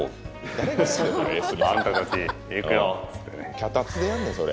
脚立でやんねんそれ。